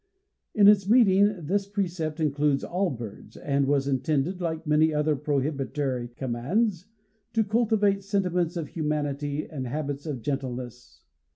In its meaning this precept includes all birds, and was intended, like many other prohibitory commands, to cultivate sentiments of humanity and habits of gentleness.